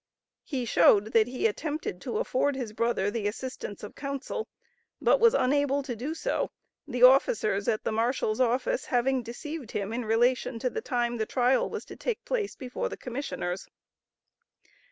He showed, that he attempted to afford his brother the assistance of counsel, but was unable to do so, the officers at the Marshal's office having deceived him in relation to the time the trial was to take place before the Commissioners.